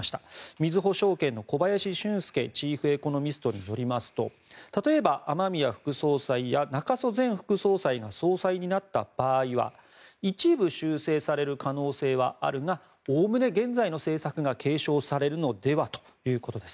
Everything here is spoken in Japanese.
みずほ証券の小林俊介チーフエコノミストによりますと例えば雨宮副総裁や中曽前副総裁が総裁になった場合は一部修正される可能性はあるがおおむね現在の政策が継承されるのではということです。